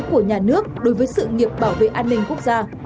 của nhà nước đối với sự nghiệp bảo vệ an ninh quốc gia